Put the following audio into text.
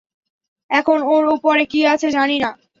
এখন এর ওপরে কী আছে জানি না।